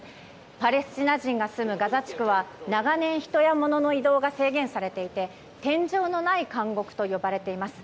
パレスチナ人が住むガザ地区は長年、人や物の移動が制限されていて天井のない監獄と呼ばれています。